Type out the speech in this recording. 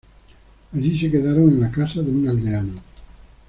Allí se quedaron en la casa de un aldeano.